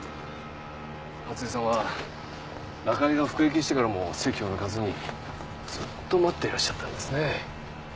初枝さんは中井が服役してからも籍を抜かずにずっと待っていらっしゃったんですね